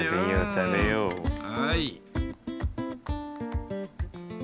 はい。